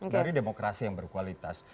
dari demokrasi yang berkualitas